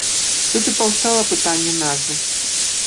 Тут і паўстала пытанне назвы.